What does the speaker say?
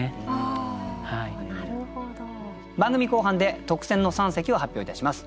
番組後半で特選の三席を発表いたします。